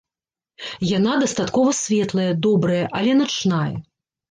Яна дастаткова светлая, добрая, але начная.